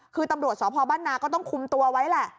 คือตำรวจสพบ้านนาก็ต้องคุมตัวไว้แหละ